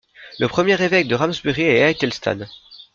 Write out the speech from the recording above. Le premier évêque de Ramsbury est Æthelstan.